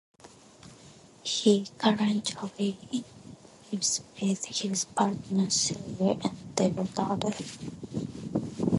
He currently lives with his partner Celia and their daughter.